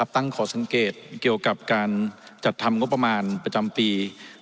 ขอสังเกตเกี่ยวกับการจัดทำงบประมาณประจำปี